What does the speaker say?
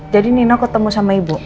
nino ketemu sama ibu